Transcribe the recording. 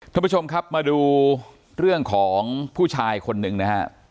ทุกประชมครับมาดูเรื่องของผู้ชายคนนึงนะครับ